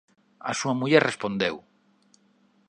A súa muller respondeu: